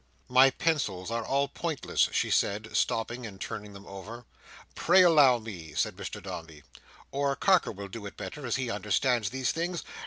"My pencils are all pointless," she said, stopping and turning them over. "Pray allow me," said Mr Dombey. "Or Carker will do it better, as he understands these things.